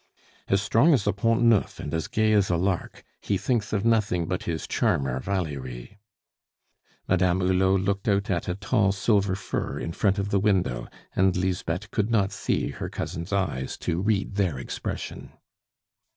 "As strong as the Pont Neuf, and as gay as a lark; he thinks of nothing but his charmer Valerie." Madame Hulot looked out at a tall silver fir in front of the window, and Lisbeth could not see her cousin's eyes to read their expression.